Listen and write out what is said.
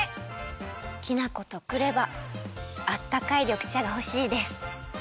きな粉とくればあったかいりょくちゃがほしいです。